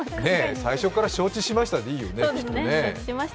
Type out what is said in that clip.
最初から「承知しました」でいいよね。